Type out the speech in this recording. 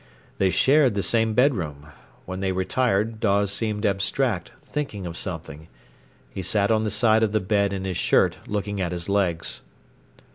They shared the same bedroom. When they retired Dawes seemed abstract, thinking of something. He sat on the side of the bed in his shirt, looking at his legs.